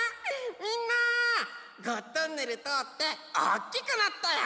みんなゴットンネルとおっておっきくなったよ。